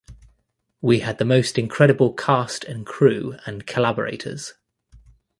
We had the most incredible cast and crew and collaborators.